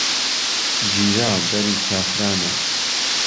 گیرا بەریکافرانه